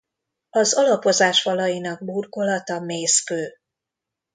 Az alapozás falainak burkolata mészkő.